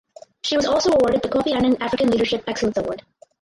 She was also awarded the Kofi Annan African Leadership Excellence Award.